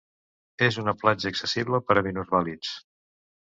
És una platja accessible per a minusvàlids.